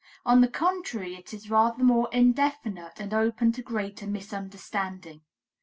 On the contrary, it is rather more indefinite and open to greater misunderstanding.